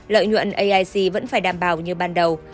lợi nhuận aic vẫn phải đảm bảo như ban đầu